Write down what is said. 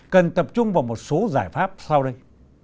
cần tập trung vào một số giải pháp sau đây